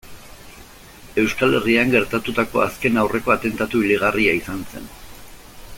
Euskal Herrian gertatutako azken aurreko atentatu hilgarria izan zen.